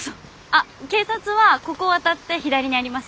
あっ警察はここを渡って左にあります。